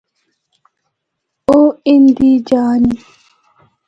او اِن دی جآ نیں ۔